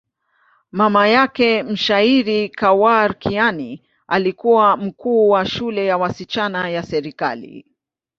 Mama yake, mshairi Khawar Kiani, alikuwa mkuu wa shule ya wasichana ya serikali.